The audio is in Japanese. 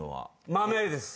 豆です。